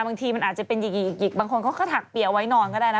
บางทีมันอาจจะเป็นหยิกบางคนเขาก็ถักเปียไว้นอนก็ได้นะ